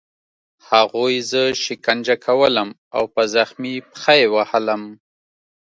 هغوی زه شکنجه کولم او په زخمي پښه یې وهلم